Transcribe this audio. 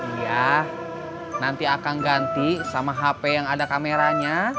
iya nanti akan ganti sama hp yang ada kameranya